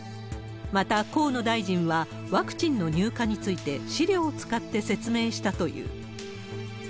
また、河野大臣はワクチンの入荷について、資料を使って説明したという。